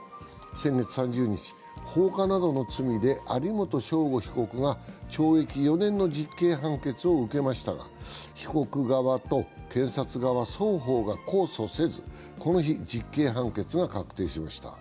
先月３０日、放火などの罪で有本匠吾被告が懲役４年の実刑判決を受けましたが被告側と検察側双方が控訴せず、この日、実刑判決が確定しました。